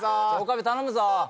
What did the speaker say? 岡部頼むぞ。